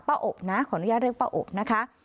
อกนะขออนุญาตเรียกป้าอบนะคะ